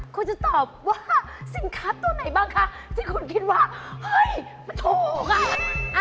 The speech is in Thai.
คุณจะตอบว่าสินค้าตัวไหนบ้างคะที่คุณคิดว่าเฮ้ยมันถูกอ่ะ